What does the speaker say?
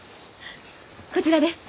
こちらです！